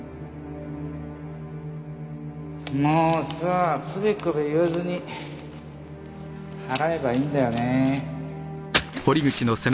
もうさぁつべこべ言わずに払えばいいんだよね